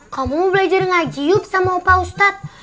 kamu mau belajar ngaji yuk sama pak ustadz